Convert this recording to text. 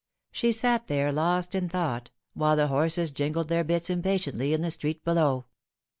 She sat there lost in thought, while the horses jingled their bits impatiently in the street below.